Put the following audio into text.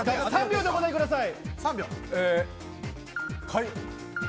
３秒でお答えください。